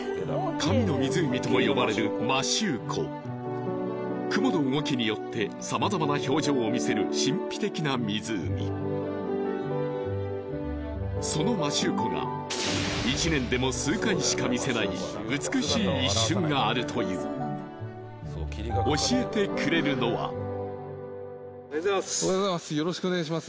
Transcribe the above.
「神の湖」とも呼ばれる摩周湖雲の動きによってさまざまな表情を見せる神秘的な湖その摩周湖が１年でも数回しか見せない美しい一瞬があるという教えてくれるのはおはようございますおはようございますよろしくお願いします